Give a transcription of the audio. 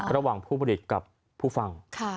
ระหว่างผู้ผลิตกับผู้ฟัง